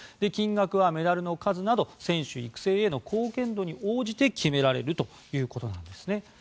金額はメダルの数など選手育成への貢献度に応じて決められるということなんです。